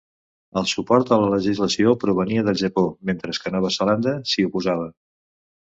El suport a la legislació provenia del Japó, mentre que Nova Zelanda s'hi oposava.